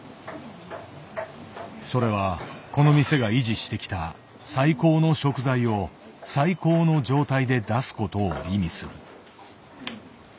それはこの店が維持してきた「最高の食材を最高の状態で出す」ことを意味する。